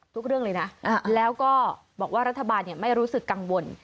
เรื่องเลยนะแล้วก็บอกว่ารัฐบาลไม่รู้สึกกังวล